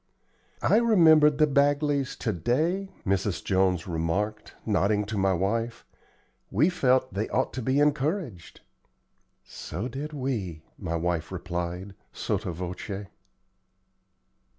"I remembered the Bagleys to day," Mrs. Jones remarked, nodding to my wife. "We felt they ought to be encouraged." "So did we," my wife replied, sotto voce.